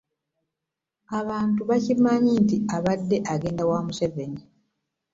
Abantu bakimanyi nti abadde agenda ewa Museveni